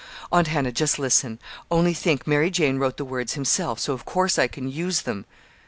"Aunt Hannah, just listen! Only think Mary Jane wrote the words himself, so of course I can use them!"